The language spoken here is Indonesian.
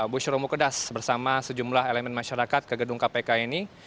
bushro mukedas bersama sejumlah elemen masyarakat ke gedung kpk ini